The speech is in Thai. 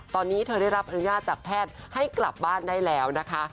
ตอนนี้เธอได้รับอนุญาตจากแพทย์ให้กลับบ้านได้แล้วนะคะ